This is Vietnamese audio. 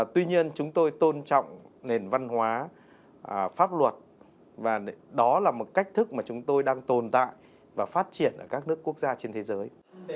tuy nhiên chúng tôi tôn trọng nền văn hóa pháp luật và đó là một cách thức mà chúng tôi đang tồn tại và phát triển ở các nước quốc gia trên thế giới